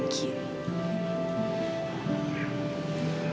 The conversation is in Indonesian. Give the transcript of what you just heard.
aku percaya kamu